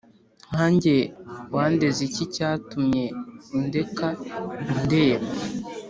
Nkanjye wandeze ikihe Cyatumye undeka undeba